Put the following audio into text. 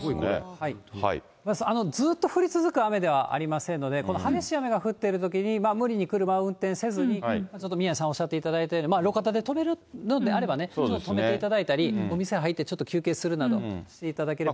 ずっと降り続く雨ではありませんので、この激しい雨が降っているときに、無理に車を運転せずに、ちょっと宮根さんおっしゃっていただいたように、路肩で止めるのであればね、ちょっと止めていただいたり、お店入ってちょっと休憩するなどしていただければと。